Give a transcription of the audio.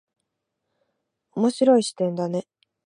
面白い視点だね。